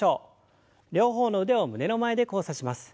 両方の腕を胸の前で交差します。